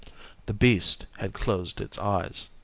The beast had closed its eyes.